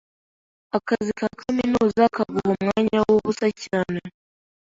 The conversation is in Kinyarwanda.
Akazi ka kaminuza kaguha umwanya wubusa cyane.